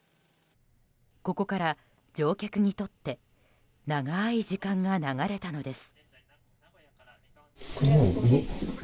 ここから乗客にとって長い時間が流れたのです。